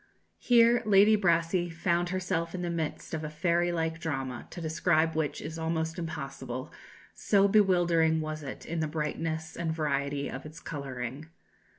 Here Lady Brassey found herself in the midst of a fairy like drama, to describe which is almost impossible, so bewildering was it in the brightness and variety of its colouring.